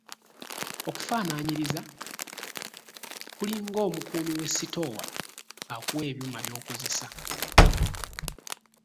Okufaanaanyiriza kuli ng'omukuumi w'esitoowa, akuwa ebyuma by'okozesa.